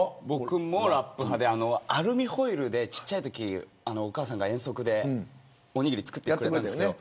僕もラップ派でアルミホイルでちっちゃいときお母さんが遠足でおにぎりを作ってくれたんですけど。